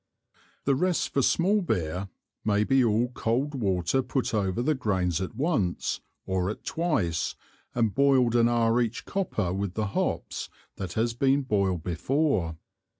The rest for small Beer may be all cold water put over the Grains at once, or at twice, and Boil'd an Hour each Copper with the Hops that has been boil'd before.